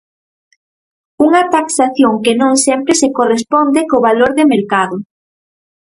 Unha taxación que non sempre se corresponde co valor de mercado.